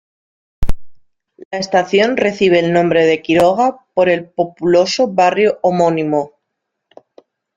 La estación recibe el nombre de Quiroga, por el populoso barrio homónimo.